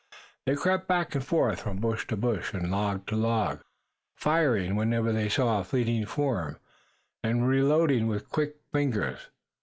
They crept back and forth from bush to bush and from log to log, firing whenever they saw a flitting form, and reloading with quick fingers.